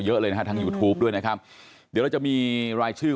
เยอะเลยนะฮะทางยูทูปด้วยนะครับเดี๋ยวเราจะมีรายชื่อ